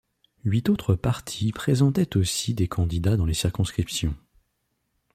Huit autres partis présentaient aussi des candidats dans les circonscriptions.